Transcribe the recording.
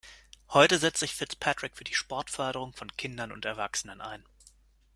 Heute setzt sich Fitzpatrick für die Sportförderung von Kindern und Erwachsenen ein.